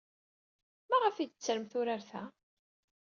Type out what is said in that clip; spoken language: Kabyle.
Maɣef ay d-tettrem tuttra-a?